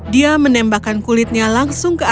dia menembakkan kulitnya langsung ke atas